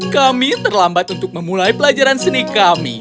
kami terlambat untuk memulai pelajaran seni kami